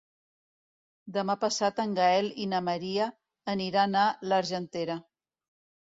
Demà passat en Gaël i na Maria aniran a l'Argentera.